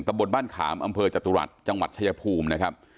บนบ้านขามอำเภอจตุรัสจังหวัดชายภูมินะครับ